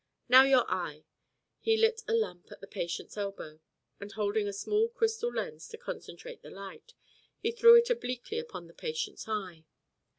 "Now your eye." He lit a lamp at the patient's elbow, and holding a small crystal lens to concentrate the light, he threw it obliquely upon the patient's eye.